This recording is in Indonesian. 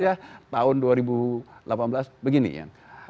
ya tahun dua ribu delapan belas begini ya